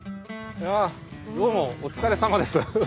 どうもお疲れさまです。